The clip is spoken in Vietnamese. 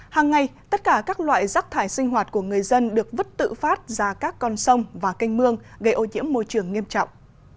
hàng ngày tất cả các loại rác thải sinh hoạt của người dân được vứt tự phát ra các con sông và canh mương gây ô nhiễm môi trường nghiêm trọng